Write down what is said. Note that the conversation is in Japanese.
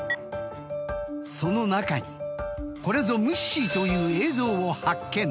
その中にこれぞムッシーという映像を発見。